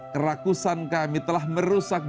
kerapusan kami telah merusak